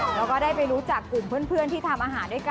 แล้วก็ได้ไปรู้จักกลุ่มเพื่อนที่ทำอาหารด้วยกัน